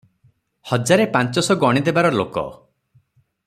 ହଜାରେ ପାଞ୍ଚଶ ଗଣିଦେବାର ଲୋକ ।